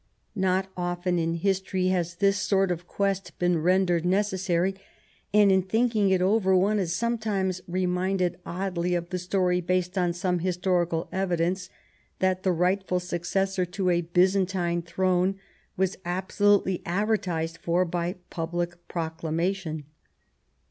Not often in history has this sort of quest been rendered necessary, an^ in thinking it over one is sometimes reminded oddly of the story based on some historical evidence that the rightful successor to a Byzantine throne was absolutely adver tised for by public proclamation.